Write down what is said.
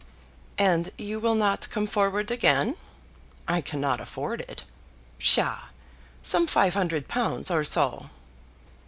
"And you will not come forward again?" "I cannot afford it." "Psha! Some five hundred pounds or so!"